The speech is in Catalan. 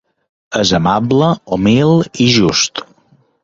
És amable, humil i just.